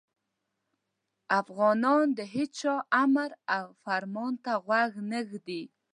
افغانان د هیچا امر او فرمان ته غوږ نه ږدي.